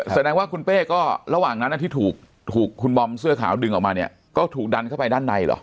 แสดงว่าคุณเป้ก็ระหว่างนั้นที่ถูกคุณบอมเสื้อขาวดึงออกมาเนี่ยก็ถูกดันเข้าไปด้านในเหรอ